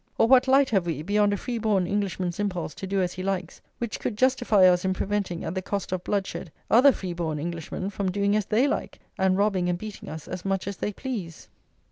Or what light have we, beyond a free born Englishman's impulse to do as he likes, which could justify us in preventing, at the cost of bloodshed, other free born Englishmen from doing as they like, and robbing and beating us as much as they please?"